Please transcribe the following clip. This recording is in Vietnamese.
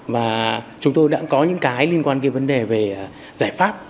và chúng tôi đã có những cái liên quan cái vấn đề về giải pháp